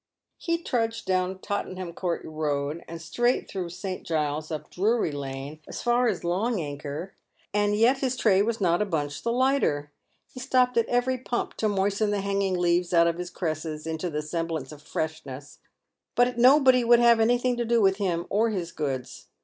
He trudged down Tottenham court road, and straight through St. Giles, up Drury lane, as far as Long acre, and yet his tray was not a bunch the lighter. He stopped at every pump to moisten the hanging leaves of his cresses into the semblance of freshness, but nobody would have anything to do with him or his goods.